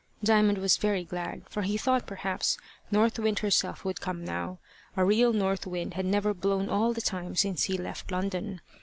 Diamond was very glad, for he thought perhaps North Wind herself would come now: a real north wind had never blown all the time since he left London.